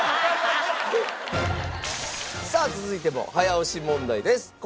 さあ続いても早押し問題です。